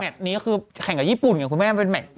แล้วก็แหมดนี้ก็คือแข่งกับญี่ปุ่นไงคุณแม่เป็นแหมด